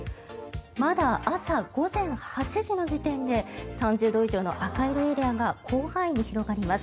まだ朝午前８時の時点で３０度以上の赤色エリアが広範囲に広がります。